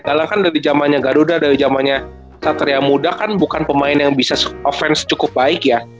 dalang kan dari zamannya garuda dari zamannya satria muda kan bukan pemain yang bisa offense cukup baik ya